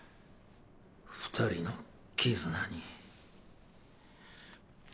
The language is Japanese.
２人の絆に。